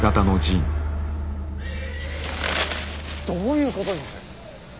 どういうことです。